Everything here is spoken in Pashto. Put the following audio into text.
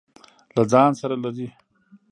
له ځان سره لري.